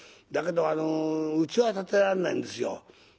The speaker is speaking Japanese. だけどうちは建てられないんですよ。